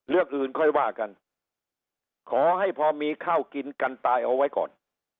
เรื่องอื่นค่อยว่ากันขอให้พอมีข้าวกินกันตายเอาไว้ก่อน